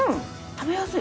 食べやすい。